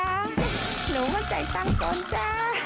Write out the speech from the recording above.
หนูก็ใจตังค์ก่อนจ๊ะ